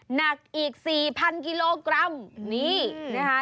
หนักอีก๔๐๐กิโลกรัมนี่นะคะ